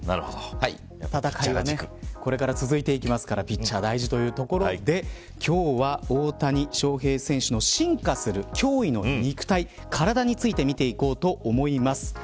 戦いはこれから続いてきますからピッチャー大事というところで今日は大谷翔平選手の進化する驚異の肉体体について見ていこうと思います。